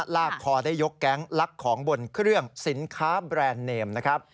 ลากคอได้ยกแก๊งลักของบนเครื่องสินค้าแบรนด์เนมนะครับ